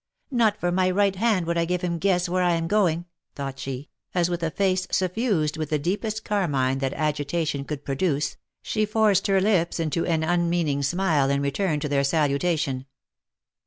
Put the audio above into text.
" Not for my right hand would I have him guess where I am going," OF MICHAEL ARMSTRONG. 125 thought she, as with a face suffused with the deepest carmine that agitation could produce, she forced her lips into an unmeaning smile in return to their salutation.